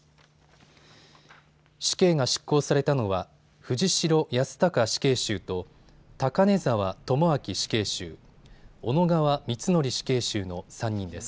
死刑が執行されたのは藤城康孝死刑囚と高根沢智明死刑囚、小野川光紀死刑囚の３人です。